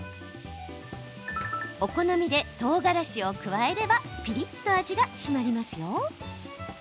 お好みでとうがらしを加えればピリっと味が締まりますよ。